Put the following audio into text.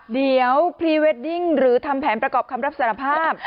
เดี๋ยวพรีเวดดิ้งหรือทำแผนประกอบคำรับสารภาพ